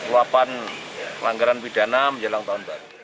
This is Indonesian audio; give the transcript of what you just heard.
uapan langgaran pidana menjelang tahun baru